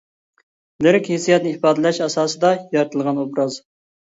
لىرىك ھېسسىياتنى ئىپادىلەش ئاساسىدا يارىتىلغان ئوبراز.